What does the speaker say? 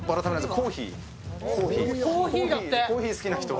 コーヒー好きな人は。